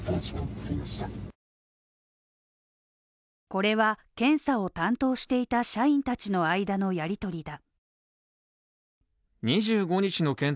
これは検査を担当していた社員たちの間のやりとりだ。